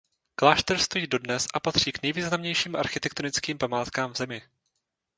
Klášter stojí dodnes a patří k nejvýznamnějším architektonickým památkám v zemi.